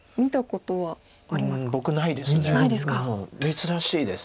珍しいです。